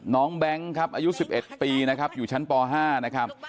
แบงค์ครับอายุ๑๑ปีนะครับอยู่ชั้นป๕นะครับ